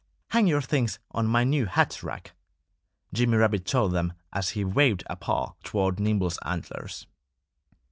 "Hang your things on my new hat rack!" Jimmy Rabbit told them as he waved a paw toward Nimble's antlers.